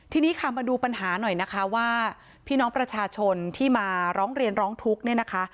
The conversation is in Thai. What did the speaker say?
ทีนี้ค่ะมาดูปัญหาหน่อยนะคะว่าพี่น้องประชาชนที่มาร้องเรียนร้องทุกข์เนี่ยนะคะ